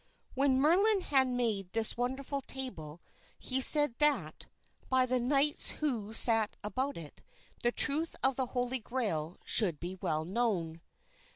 When Merlin had made this wonderful table he said that, by the knights who sat about it, the truth of the Holy Grail should be well known.